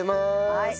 はい。